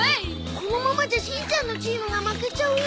このままじゃしんちゃんのチームが負けちゃうよ。